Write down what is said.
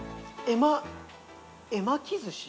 「絵巻き寿司」？